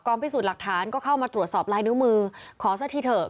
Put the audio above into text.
พิสูจน์หลักฐานก็เข้ามาตรวจสอบลายนิ้วมือขอซะทีเถอะ